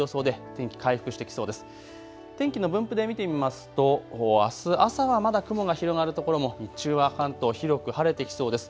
天気の分布で見てみますとあす朝はまだ雲の広がる所も日中は関東、広く晴れてきそうです。